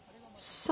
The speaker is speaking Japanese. そう。